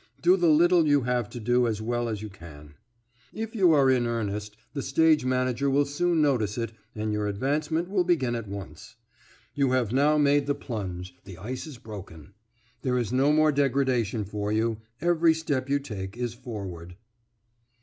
Do the little you have to do as well as you can; if you are in earnest the stage manager will soon notice it and your advancement will begin at once. You have now made the plunge, the ice is broken; there is no more degradation for you; every step you take is forward.